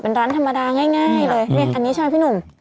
เป็นร้านธรรมดาง่ายเลยเนี่ยอันนี้ใช่ไหมพี่หนุ่ม